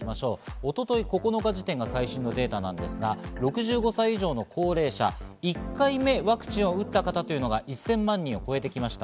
一昨日９日時点が最新のデータで、６５歳以上の高齢者、１回目のワクチンを打った方が１０００万人を超えてきました。